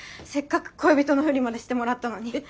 せっかく恋人のふりまでしてもらったのに。